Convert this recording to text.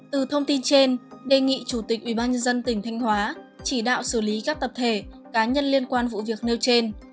từ thông tin trên đề nghị chủ tịch ủy ban nhân dân tỉnh thanh hóa chỉ đạo xử lý các tập thể cá nhân liên quan vụ việc nêu trên